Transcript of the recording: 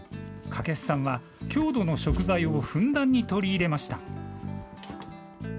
掛須さんは郷土の食材をふんだんに取り入れました。